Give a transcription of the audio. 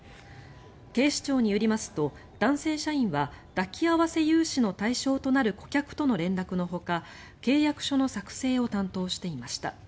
警視庁によりますと男性社員は抱き合わせ融資の対象となる顧客との連絡のほか契約書の作成を担当していました。